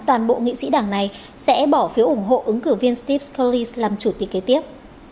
toàn bộ nghị sĩ đảng này sẽ bỏ phiếu ủng hộ ứng cử viên steve scurllis làm chủ tịch kế tiếp